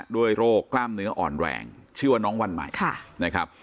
ด้วยโรคกล้ามเนื้ออ่อนแรงชื่อว่าน้องวันใหม่นะครับ